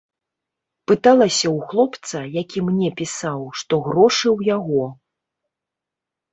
Пыталася ў хлопца, які мне пісаў, што грошы ў яго.